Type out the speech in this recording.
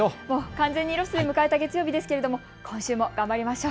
完全にロスで迎えた月曜日ですけれども今週も頑張りましょう。